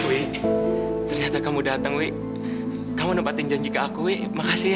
wi ternyata kamu datang wi kamu nempatin janji ke aku wi makasih ya